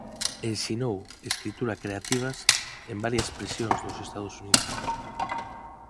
Ensinou escritura creativas en varias prisións dos Estados Unidos.